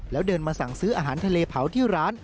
แล้วเดินมาสั่งซื้ออาหารทะเลเผาที่ร้าน